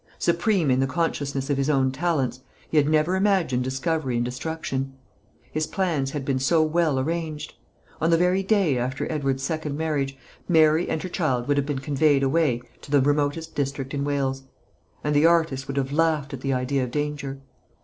Supreme in the consciousness of his own talents, he had never imagined discovery and destruction. His plans had been so well arranged. On the very day after Edward's second marriage, Mary and her child would have been conveyed away to the remotest district in Wales; and the artist would have laughed at the idea of danger.